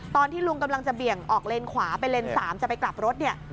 ตอนที่ลุงกำลังจะเบี่ยงออกเลนขวาไปเลน๓จะไปกลับรถเนี่ย